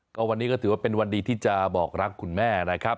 ก็วันนี้ก็ถือว่าเป็นวันดีที่จะบอกรักคุณแม่นะครับ